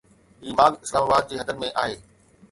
هي ماڳ اسلام آباد جي حدن ۾ آهي